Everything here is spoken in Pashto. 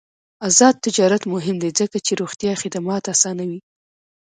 آزاد تجارت مهم دی ځکه چې روغتیا خدمات اسانوي.